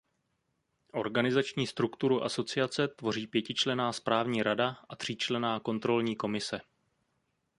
Organizační strukturu asociace tvoří pětičlenná správní rada a tříčlenná kontrolní komise.